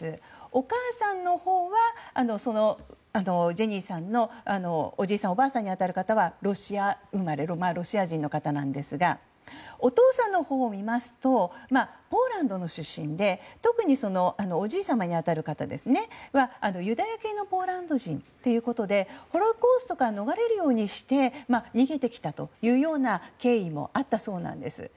お母さんのほう、ジェニーさんのおじいさん、おばあさんに当たる方はロシア生まれロシア人の方なんですがお父さんのほうを見ますとポーランドの出身で特におじいさまに当たる方はユダヤ系のポーランド人ということでホロコーストから逃れるようにして逃げてきたという経緯もあったそうなんです。